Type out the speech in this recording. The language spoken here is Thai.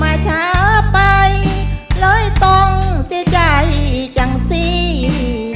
มาช้าไปเลยต้องเสียใจจังสิ